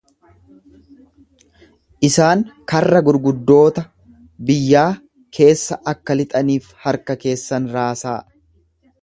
Isaan karra gurguddoota biyyaa keessa akka lixaniif harka keessan raasaa.